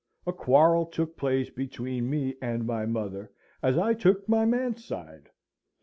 A quarrel took place between me and my mother, as I took my man's side.